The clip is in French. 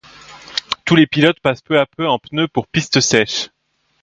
Tous les pilotes passent peu à peu en pneus pour piste sèche.